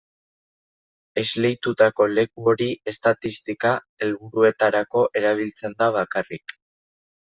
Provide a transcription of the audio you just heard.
Esleitutako leku hori estatistika helburuetarako erabiltzen da bakarrik.